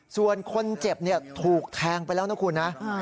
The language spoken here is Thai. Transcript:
ส่วนคนเจ็บถูกแทงไปแล้วนะคุณนะ